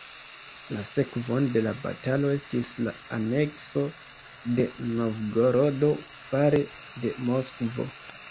La sekvon de la batalo estis la anekso de Novgorodo fare de Moskvo.